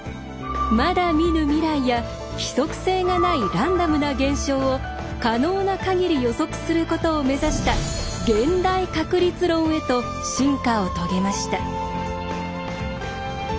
まだ見ぬ未来や規則性がないランダムな現象を可能な限り予測することを目指した「現代確率論」へと進化を遂げました。